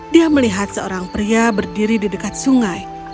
dia melihat seorang pria berdiri di dekat sungai